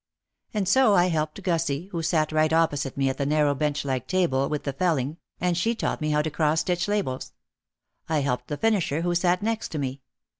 And so I helped Gussie, who sat right opposite me at the narrow bench like table, with the felling, and she taught me how to cross stitch labels. I helped the finisher who sat next to me.